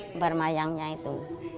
kembar mayangnya itu